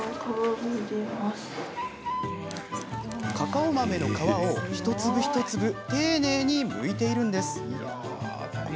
カカオ豆の皮を一粒一粒丁寧にむいているんです。